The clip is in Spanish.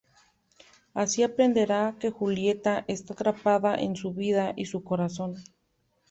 Así aprenderá que Julieta: esta atrapada en su vida y su corazón.